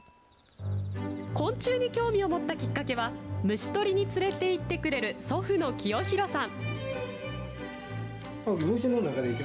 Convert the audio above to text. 昆虫に興味を持ったきっかけは、虫捕りに連れていってくれる祖父の清弘さん。